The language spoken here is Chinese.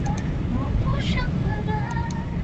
出生于官僚世家河东柳氏东眷。